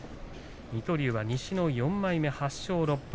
水戸龍が西の４枚目、８勝６敗。